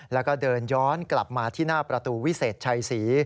แล้วก็เดินย้อนกลับมาที่หน้าประตูวิเศษชัยศรี